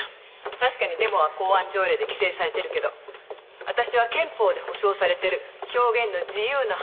確かにデモは公安条例で規制されてるけど私は憲法で保障されてる表現の自由の範疇だと思ってる。